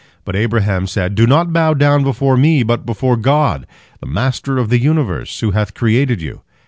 But Abraham said: "Do not bow down before me, but before God, the Master of the universe, who hath created you.